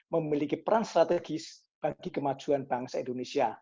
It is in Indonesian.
memiliki peran strategis bagi kemajuan bangsa indonesia